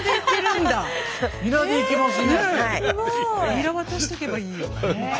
ニラ渡しとけばいいよ。